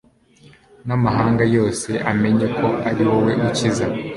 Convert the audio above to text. n’amahanga yose amenye ko ari wowe ukiza